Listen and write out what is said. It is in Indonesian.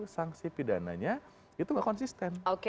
sanksi pidananya itu nggak konsisten